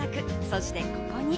そしてここに。